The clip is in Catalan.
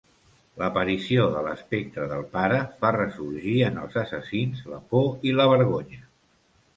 L'aparició de l'espectre del pare fa ressorgir en els assassins la por i la vergonya.